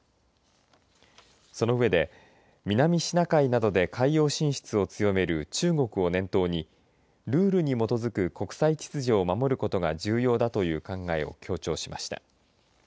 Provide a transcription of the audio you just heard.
その上で南シナ海などで海洋進出を強める中国を念頭にルールに基づく国際秩序を守ることが重要だという考えを強調しました。